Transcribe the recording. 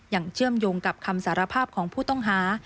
เชื่อมโยงกับคำสารภาพของผู้ต้องหา